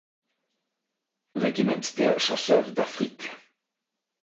Regiment der Chasseurs d’Afrique.